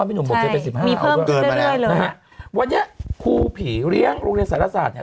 ไม่หมายถึงสมมติไงสมมติ